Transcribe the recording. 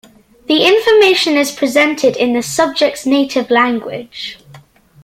The information is presented in the subject's native language.